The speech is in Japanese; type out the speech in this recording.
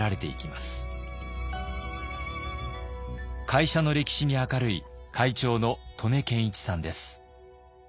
会社の歴史に明るい会長の刀根健一さんです。